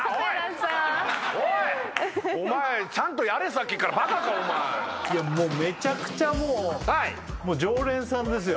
さっきからバカかお前めちゃくちゃもう常連さんですよ